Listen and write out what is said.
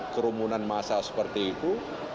kerumunan masa seperti itu